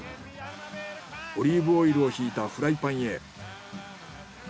オリーブオイルをひいたフライパンへ。